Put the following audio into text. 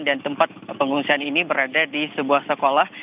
dan tempat pengungsian ini berada di sebuah sekolah